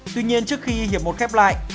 tuy nhiên trước khi hiệp một khép lại